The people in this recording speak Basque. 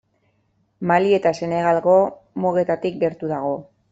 Mali eta Senegalgo mugetatik gertu dago.